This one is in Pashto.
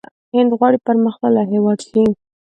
هند غواړي پرمختللی هیواد شي.